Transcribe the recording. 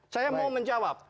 saya mau menjawab